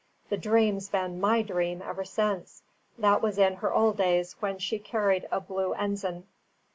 The Dream's been MY dream ever since. That was in her old days, when she carried a blue ens'n.